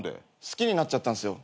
好きになっちゃったんすよ。